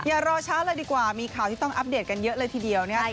อย่ารอช้าเลยดีกว่ามีข่าวที่ต้องอัปเดตกันเยอะเลยทีเดียวนะครับ